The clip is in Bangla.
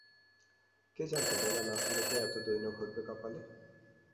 কে জানত বেলা না ফুরোতেই এত দৈন্য ঘটবে কপালে।